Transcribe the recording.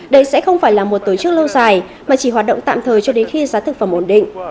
đây sẽ không phải là một tổ chức lâu dài mà chỉ hoạt động tạm thời cho đến khi giá thực phẩm ổn định